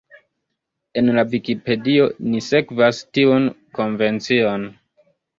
En la Vikipedio ni sekvas tiun konvencion.